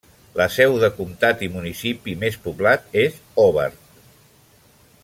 La seu de comtat i municipi més poblat és Hobart.